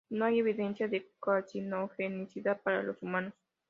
No hay evidencia de carcinogenicidad para los humanos.